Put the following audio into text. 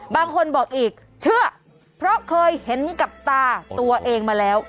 บางคนบอกอีกเชื่อเพราะเคยเห็นกับตาตัวเองมาแล้ว